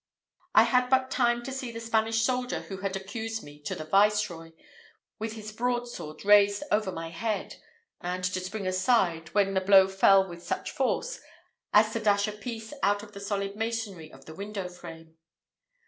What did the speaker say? I had but time to see the Spanish soldier who had accused me to the viceroy, with his broadsword raised over my head, and to spring aside, when the blow fell with such force, as to dash a piece out of the solid masonry of the window frame.